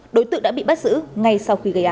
đối tượng đã bị bắt giữ ngay sau khi gây án